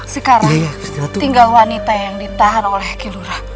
sekarang tinggal wanita yang ditahan oleh kidura